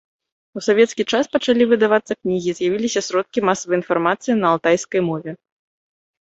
У савецкі час пачалі выдавацца кнігі, з'явіліся сродкі масавай інфармацыі на алтайскай мове.